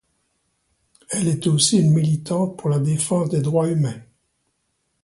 Elle est aussi une militante pour la défense des droits humains.